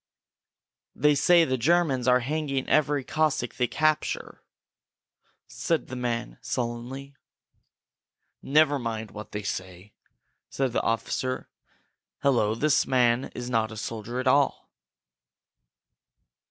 "They say that the Germans are hanging every Cossack they capture," said the man, sullenly. "Never mind what they say!" said the officer. "Hello! That man is not a soldier at all!"